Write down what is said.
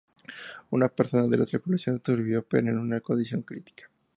Una persona de la tripulación sobrevivió pero en una condición crítica.